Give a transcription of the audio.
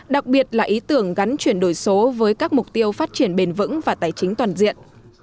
đặc biệt là ý tưởng gắn chuyển đổi số với các mục tiêu phát triển bền vững và tài chính toàn diện